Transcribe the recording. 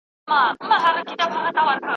دولت تګلاره غوره کوي.